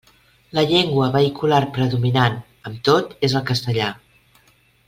La llengua vehicular predominant, amb tot, és el castellà.